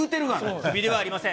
クビではありません。